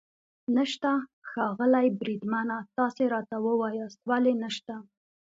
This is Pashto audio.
نشته؟ ښاغلی بریدمنه، تاسې راته ووایاست ولې نشته.